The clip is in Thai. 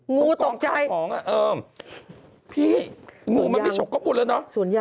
งูตกใจพี่งูมันไม่ชกก็บุ่นแล้วเนอะ